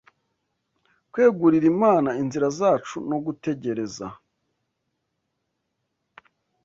kwegurira Imana inzira zacu no gutegereza